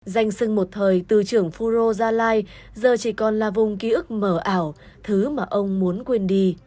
danh sưng một thời từ trưởng phuro gia lai giờ chỉ còn là vùng ký ức mở ảo thứ mà ông muốn quên đi